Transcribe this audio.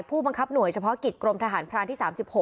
ผู้บังคับหน่วยเฉพาะกิจกรมทหารพรานที่๓๖